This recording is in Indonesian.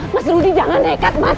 mas rudy jangan nekat mas